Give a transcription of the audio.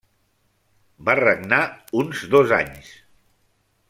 Va regnar uns dos anys.